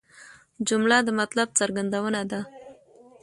جمله د مطلب څرګندونه ده.